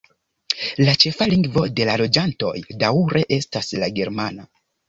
La ĉefa lingvo de la loĝantoj daŭre estas la germana.